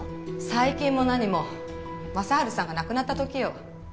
最近も何も正春さんが亡くなった時よ。